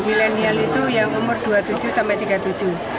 milenial itu yang umur dua puluh tujuh sampai tiga puluh tujuh